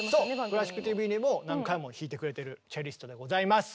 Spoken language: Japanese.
「クラシックＴＶ」にも何回も弾いてくれてるチェリストでございます！